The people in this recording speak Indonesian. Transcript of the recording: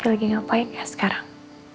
lagi nggak apa apa ya sekarang